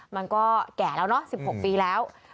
มันก็แก่แล้วเนอะ๑๖ปีแล้ว